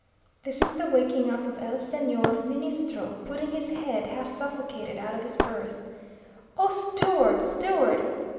(This is the waking up of el Señor Ministro, putting his head half suffocated out of his berth.) "Oh steward! steward!"